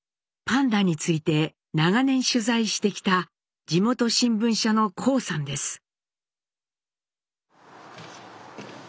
パンダについて長年取材してきた地元新聞社の高さんです。